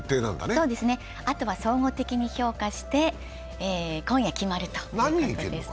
そうですね、あとは総合的に評価して今夜決まるという形です。